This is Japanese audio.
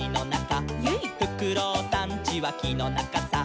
「フクロウさんちはきのなかさ」